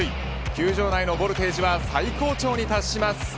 球場内のボルテージは最高潮に達します。